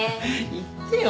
言ってよ